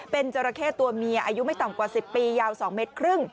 เป็นจราเข้ตัวเมียอายุไม่ต่ำกว่า๑๐ปียาว๒เมตรครึ่ง